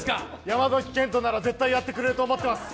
山崎賢人なら絶対やってくれると思ってます。